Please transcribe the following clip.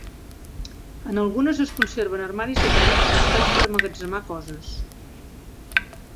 En algunes es conserven armaris de paret o espais per a emmagatzemar coses.